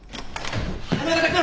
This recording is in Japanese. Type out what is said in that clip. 花形君！